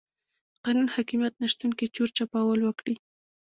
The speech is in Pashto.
قانون حاکميت نشتون کې چور چپاول وکړي.